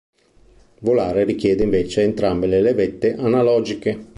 Volare richiede invece entrambe le levette analogiche.